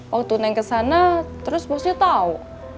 waktu naik ke sana terus bosnya tahu